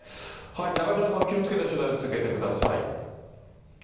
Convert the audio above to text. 中島さんも気をつけて取材を続けてください。